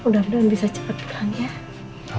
mudah mudahan bisa cepat pulang ya